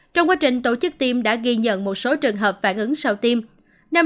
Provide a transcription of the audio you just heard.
trong quá trình tổ chức tiêm đã ghi nhận một số trường hợp phản ứng sau tiêm